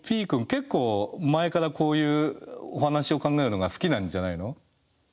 結構前からこういうお話を考えるのが好きなんじゃないの？